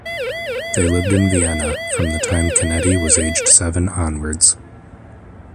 They lived in Vienna from the time Canetti was aged seven onwards.